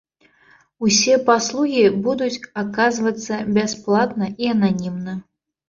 Усе паслугі будуць аказвацца бясплатна і ананімна.